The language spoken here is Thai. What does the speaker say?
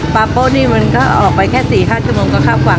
ปลาโป้นี่มันก็ออกไปแค่สี่ห้าชั่วโมงก็เข้าขวัง